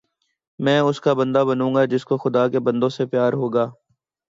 میں اس کا بندہ بنوں گا جس کو خدا کے بندوں سے پیار ہوگا